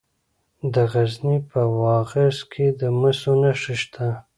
د غزني په واغظ کې د مسو نښې شته.